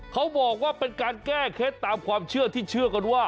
เขาบอกว่าเป็นการแก้เคล็ดตามความเชื่อที่เชื่อกันว่า